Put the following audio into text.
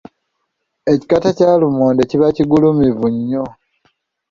Ekikata kya lumonde kiba kigulumivu nnyo.